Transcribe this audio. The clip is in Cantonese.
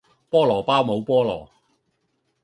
菠蘿包冇菠蘿